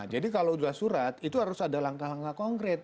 jadi kalau sudah surat itu harus ada langkah langkah konkret